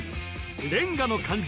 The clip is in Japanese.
レンガの漢字